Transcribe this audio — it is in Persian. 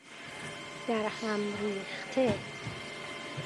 درهم ریخته